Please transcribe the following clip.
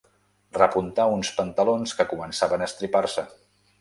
Repuntar uns pantalons que començaven a estripar-se.